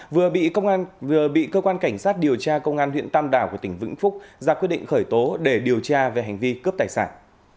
vừa bị cơ quan cảnh sát điều tra công an huyện tam đảo của tỉnh vĩnh phúc ra quyết định khởi tố để điều tra về hành vi cướp tài sản